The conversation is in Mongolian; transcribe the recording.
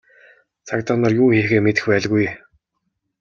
Цагдаа нар юу хийхээ мэдэх байлгүй.